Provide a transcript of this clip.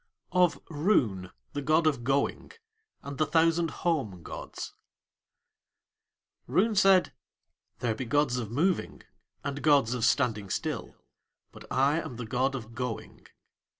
OF ROON, THE GOD OF GOING, AND THE THOUSAND HOME GODS Roon said: "There be gods of moving and gods of standing still, but I am the god of Going."